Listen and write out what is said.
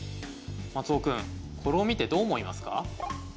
マツオくんこれを見てどう思いますか？